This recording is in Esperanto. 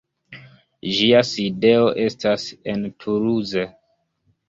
Ĝia sidejo estas en Toulouse.